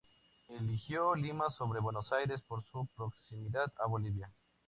Eligió Lima sobre Buenos Aires por su proximidad a Bolivia.